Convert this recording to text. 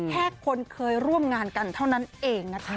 แค่คนเคยร่วมงานกันเท่านั้นเองนะคะ